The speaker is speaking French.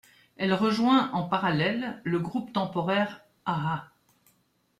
Elle rejoint en parallèle le groupe temporaire Aa!